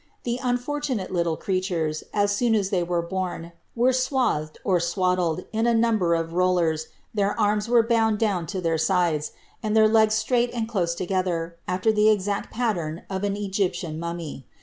The unfortunate little creatures, as soon as they were bom, were swathed, or swaddled, in a number of rollers, their arms were bound down to their sides, and their legs straight and close together, after the exact pattern of an Egyptian mummy.